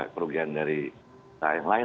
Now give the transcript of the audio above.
kerugian dari yang lain